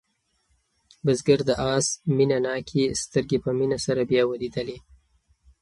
بزګر د آس مینه ناکې سترګې په مینه سره بیا ولیدلې.